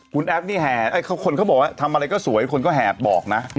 คุณแอฟนี่แห่คนเขาบอกว่าทำอะไรก็สวยคนก็แหบบอกนะ